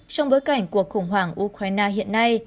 trong bối cảnh cuộc khủng hoảng ukraine hiện nay